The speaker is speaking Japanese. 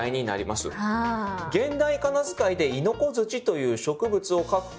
現代仮名遣いでイノコズチという植物を書くと。